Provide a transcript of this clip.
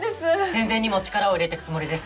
宣伝にも力を入れてくつもりです。